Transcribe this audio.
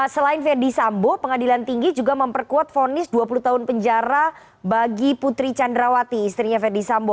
selain verdi sambo pengadilan tinggi juga memperkuat fonis dua puluh tahun penjara bagi putri candrawati istrinya verdi sambo